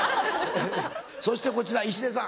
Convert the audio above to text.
そしてこちら石出さん。